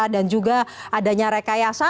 dan juga adanya rekayasa